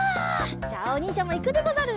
じゃあおにんじゃもいくでござる。